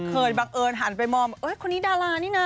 บังเอิญหันไปมองคนนี้ดารานี่นะ